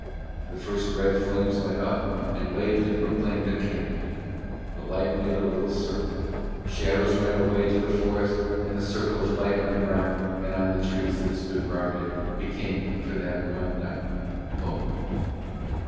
The first red flames went up and waved and proclaimed a camp: the light made a little circle, shadows ran away to the forest, and the circle of light on the ground and on the trees that stood round it became for that one night home.